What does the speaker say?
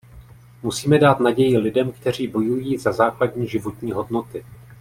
Musíme dát naději lidem, kteří bojují za základní životní hodnoty.